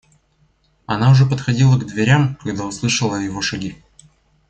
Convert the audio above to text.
Она уже подходила к дверям, когда услыхала его шаги.